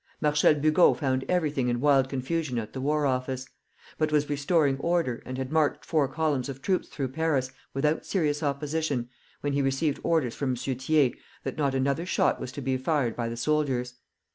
Marshal Bugeaud found everything in wild confusion at the War Office; but was restoring order, and had marched four columns of troops through Paris without serious opposition, when he received orders from M. Thiers that not another shot was to be fired by the soldiers.